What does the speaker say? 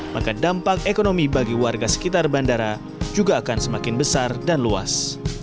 maka dampak ekonomi bagi warga sekitar bandara juga akan semakin besar dan luas